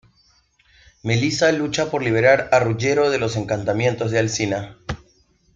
Melissa lucha por liberar a Ruggiero de los encantamientos de Alcina.